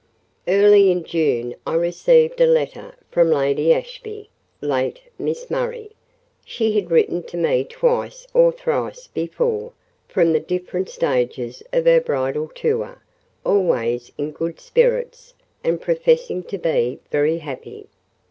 Early in June, I received a letter from Lady Ashby, late Miss Murray. She had written to me twice or thrice before, from the different stages of her bridal tour, always in good spirits, and professing to be very happy.